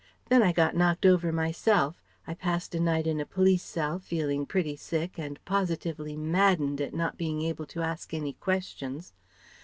Then I got knocked over myself, I passed a night in a police cell feeling pretty sick and positively maddened at not being able to ask any questions.